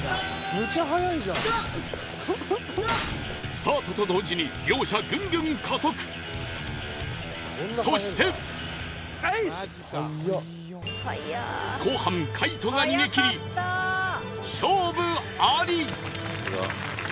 スタートと同時に両者グングン加速そして後半カイトが逃げ切り勝負あり！